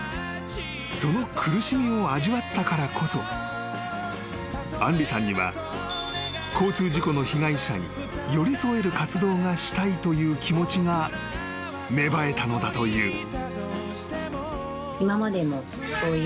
［その苦しみを味わったからこそ杏梨さんには交通事故の被害者に寄り添える活動がしたいという気持ちが芽生えたのだという］